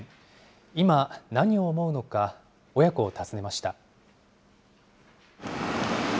今、何を思うのか、親子を訪ねました。